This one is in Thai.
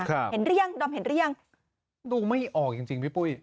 ครับเห็นเรียงดำเห็นเรียงดูไม่ออกจริงจริงพี่ปุ้ย